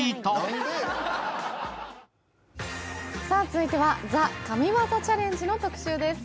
続いては「ＴＨＥ神業チャレンジ」の特集です。